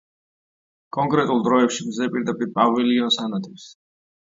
კონკრეტულ დროებში მზე პირდაპირ პავილიონს ანათებს.